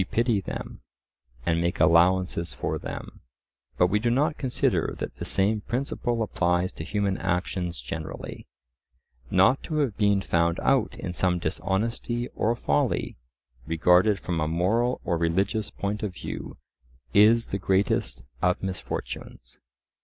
We pity them, and make allowances for them; but we do not consider that the same principle applies to human actions generally. Not to have been found out in some dishonesty or folly, regarded from a moral or religious point of view, is the greatest of misfortunes.